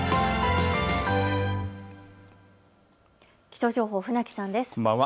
気象情報、船木さんです。